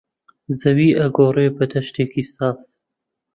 زەوی ئەگۆڕێ بە دەشتێکی ساف